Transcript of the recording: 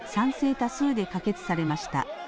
多数で可決されました。